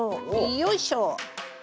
よいしょ。